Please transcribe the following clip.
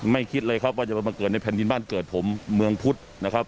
คิดเลยครับว่าจะมาเกิดในแผ่นดินบ้านเกิดผมเมืองพุทธนะครับ